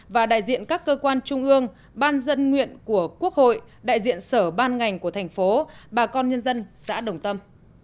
và đại diện các cơ quan trung ương ban dân nguyện của quốc hội đại diện sở ban ngành của thành phố bà con nhân dân xã đồng tâm